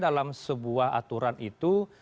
dalam sebuah aturan itu